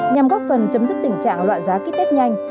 nhằm góp phần chấm dứt tình trạng loạn giá kýt test nhanh